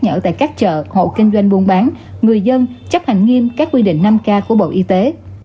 đồng thời kêu gọi sự chung tay và ý thức của mỗi người dân trong việc thực hiện các khuyến cáo của ngành y tế